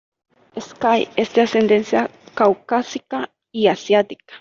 Skye es de ascendencia caucásica y asiática.